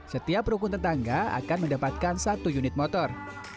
setiap rukun tetangga akan mendapatkan satu unit motor